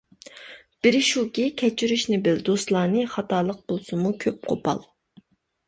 بىرى شۇكى، كەچۈرۈشنى بىل دوستلارنى، خاتالىق بولسىمۇ كۆپ، قوپال.